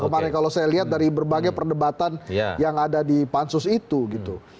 kemarin kalau saya lihat dari berbagai perdebatan yang ada di pansus itu gitu